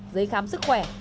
giấy khám sức khỏe